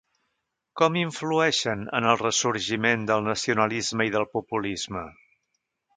Com influeixen en el ressorgiment del nacionalisme i del populisme?